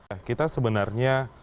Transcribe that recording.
ya kita sebenarnya